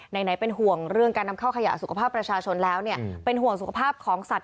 ไหนเป็นห่วงเรื่องการนำเข้าขยะสุขภาพประชาชนแล้วเนี่ยเป็นห่วงสุขภาพของสัตว